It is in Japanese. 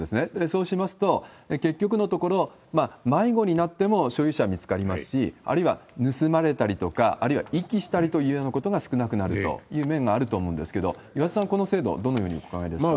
そうしますと、結局のところ、迷子になっても所有者が見つかりますし、あるいは盗まれたりとか、あるいは遺棄したりというようなことが少なくなるという面があると思うんですけど、岩田さん、この制度、どのようにお考えですか？